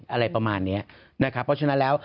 อะไรประมาณเนี้ยนะครับเพราะฉะนั้นแล้ว